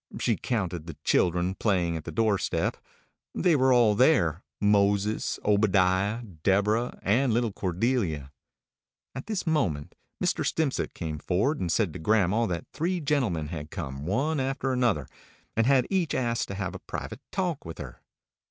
She counted the children playing at the door step. They were all there Moses, Obadiah, Deborah, and little Cordelia. At this moment Mr. Stimpcett came forward and said to grandma that three gentlemen had come, one after another, and had each asked to have a private talk with her.